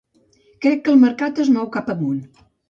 Crec que el mercat es mou cap amunt.